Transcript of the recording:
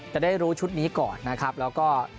จะได้รู้ชุดนี้ก่อนนะครับแล้วก็